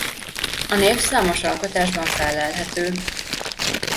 A név számos alkotásban fellelhető.